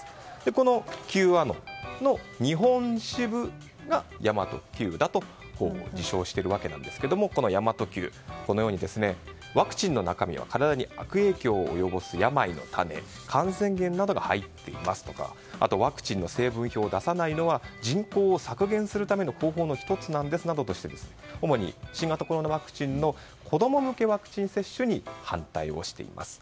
このＱアノンの日本支部が神真都Ｑだと自称しているわけですがこの神真都Ｑこのようにワクチンの中身は体に悪影響を及ぼす病の種、感染源などが入っていますとかあとワクチンの成分表を出さないのは人口を削減するための方法の１つなんですなどとして主に新型コロナワクチンの子供向けワクチン接種に反対をしています。